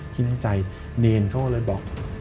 ที่ในใจเนินเขาก็เลยบอก